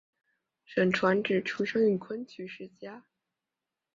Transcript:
沈传芷出生于昆曲世家。